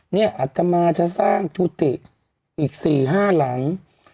เนี่ยอาจจะมาสร้างอีก๔๕หลัง